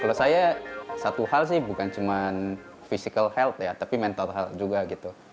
kalau saya satu hal sih bukan cuma physical health ya tapi mental health juga gitu